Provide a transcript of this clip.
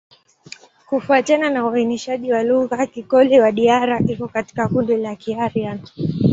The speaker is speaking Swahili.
Kufuatana na uainishaji wa lugha, Kikoli-Wadiyara iko katika kundi la Kiaryan.